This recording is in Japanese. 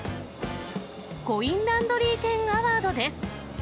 コインランドリー店アワードです。